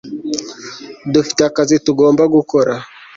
dufite akazi tugomba gukora